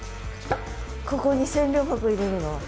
ここに千両箱入れるの？